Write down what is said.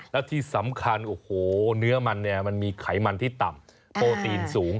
และที่สำคัญเนื้อมันมันมีไขมันที่ต่ำโปรตีนสูง